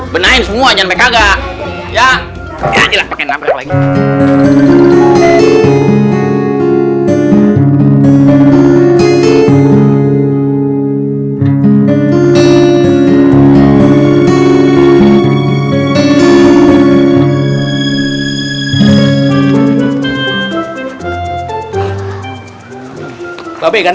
benahin semua jangan sampai kagak